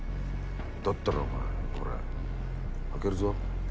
だったらお前ほら開けるぞ。